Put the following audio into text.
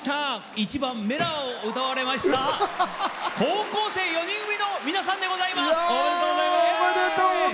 １番「Ｍｅｌａ！」を歌われました高校生４人組の皆さんです。